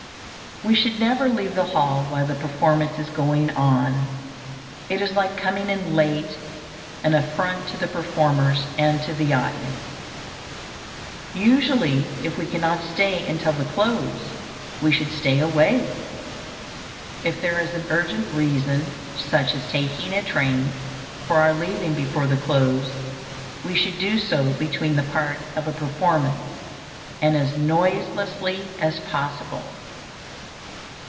We should never leave the hall while the performance is going on. It is, like coming in late, an affront to the performers and to the audience. Usually, if we cannot stay until the close, we should stay away. If there is any urgent reason, such as taking a train, for our leaving before the close, we should do so between the parts of a performance, and as noiselessly as possible.